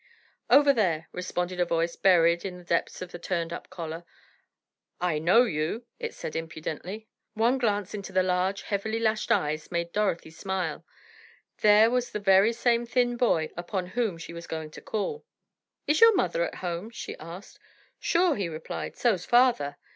"Over there," responded a voice buried in the depths of a turned up collar. "I know you," it said impudently. One glance into the large, heavily lashed eyes made Dorothy smiled. Here was the very same thin boy upon whom she was going to call. "Is your mother at home?" she asked. "Sure," he replied, "so's father."